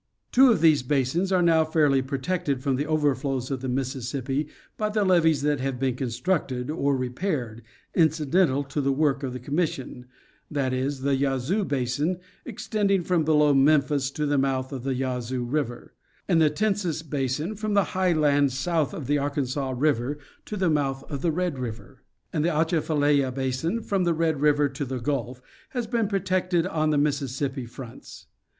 Two of these basins are now fairly protected from the overflows of the Mississippi, by the levees that have been con structed, or repaired, incidental to the work of the Commission, viz: the Yazoo basin extending from below Memphis to the mouth of the Yazoo river; and the Tensas basin from the high land south of the Arkansas river to the mouth of the Red river ; and the Atchafalaya basin, from the Red river to the gulf, has been protected on the Mississippi fronts.